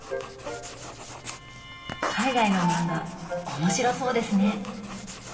海外の漫画面白そうですね。